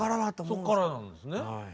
そっからなんですね。